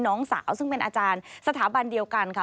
น้องสาวซึ่งเป็นอาจารย์สถาบันเดียวกันค่ะ